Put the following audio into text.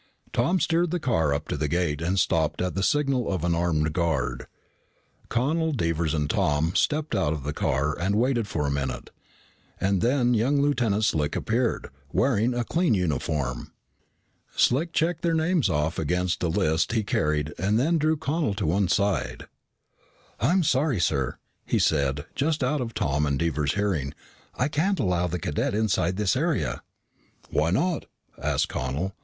Tom steered the car up to the gate and stopped at the signal of an armed guard. Connel, Devers, and Tom stepped out of the car and waited for a minute, and then young Lieutenant Slick appeared, wearing a clean uniform. Slick checked their names off against a list he carried and then drew Connel to one side. "I'm sorry, sir," he said, just out of Tom and Dever's hearing, "I can't allow the cadet inside this area." "Why not?" asked Connel.